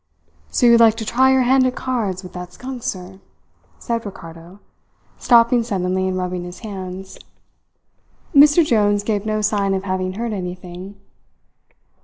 "So you would like to try your hand at cards with that skunk, sir?" said Ricardo, stopping suddenly and rubbing his hands. Mr Jones gave no sign of having heard anything.